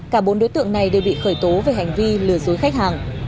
cả bốn đối tượng này đều bị khởi tố về hành vi lừa dối khách hàng